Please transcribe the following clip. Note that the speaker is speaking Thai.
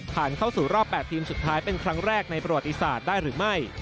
เข้าสู่รอบ๘ทีมสุดท้ายเป็นครั้งแรกในประวัติศาสตร์ได้หรือไม่